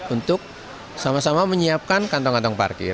untuk sama sama menyiapkan kantong kantong parkir